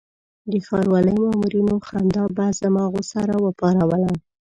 د ښاروالۍ مامورینو خندا به زما غوسه راپاروله.